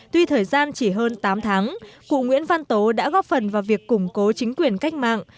tuy thời gian chỉ hơn tám tháng cụ nguyễn văn tố đã góp phần vào việc củng cố chính quyền cách mạng